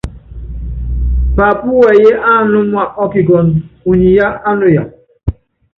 Paapú wɛyí ánúma ɔ́kikɔ́ndɔ, unyi yá ánuya.